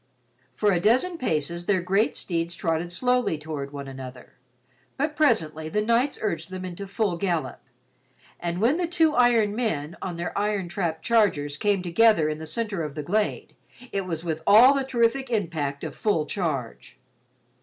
For a dozen paces their great steeds trotted slowly toward one another, but presently the knights urged them into full gallop, and when the two iron men on their iron trapped chargers came together in the center of the glade, it was with all the terrific impact of full charge.